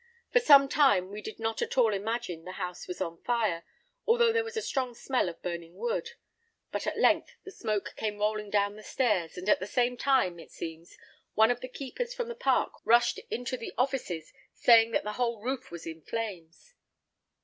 For some time we did not at all imagine the house was on fire, although there was a strong smell of burning wood; but at length the smoke came rolling down the stairs, and at the same time, it seems, one of the keepers from the park rushed into the offices, saying that the whole roof was in flames."